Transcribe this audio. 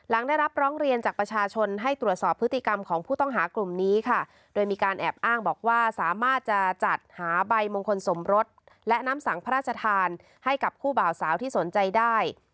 และน้ำสั่งพระราชทานให้กับคู่บ่าวสาวที่สนใจได้